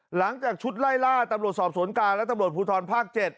หลังจากชุดไล่ล่าตำรวจสอบสวนกลางและตำรวจภูทรภาค๗